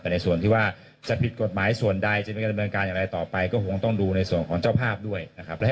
แต่ในส่วนที่ว่าจะผิดกฎหมายส่วนใดจะมีการดำเนินการอย่างไรต่อไปก็คงต้องดูในส่วนของเจ้าภาพด้วยนะครับ